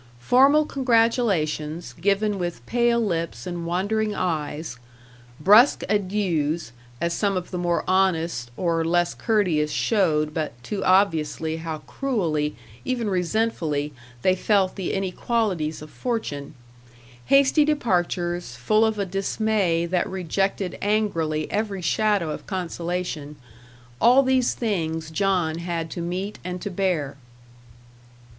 Formal congratulations, given with pale lips and wandering eyes; brusque adieux, as some of the more honest or less courteous showed but too obviously how cruelly, even resentfully, they felt the inequalities of fortune; hasty departures, full of a dismay that rejected angrily every shadow of consolation; all these things John had to meet and to bear.